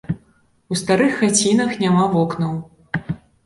У старых хацінах няма вокнаў.